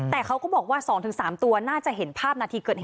แต่เขาก็บอกว่า๒๓ตัวน่าจะเห็นภาพนาทีเกิดเหตุ